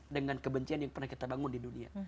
dengan kebencian yang pernah kita bangun di dunia